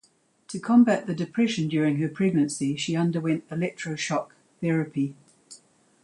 To combat the depression during her pregnancy she underwent electroshock therapy.